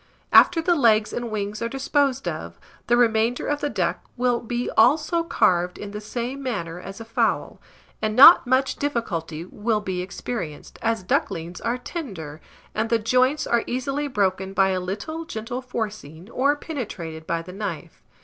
After the legs and wings are disposed of, the remainder of the duck will be also carved in the same manner as a fowl; and not much difficulty will be experienced, as ducklings are tender, and the joints are easily broken by a little gentle forcing, or penetrated by the knife.